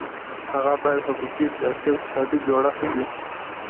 هغه باید حقوقي، سیاسي او اقتصادي جوړښت وي.